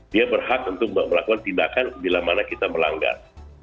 dia berhak untuk melakukan tindakan bila mana kita melanggar